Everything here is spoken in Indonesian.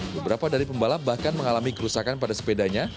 beberapa dari pembalap bahkan mengalami kerusakan pada sepedanya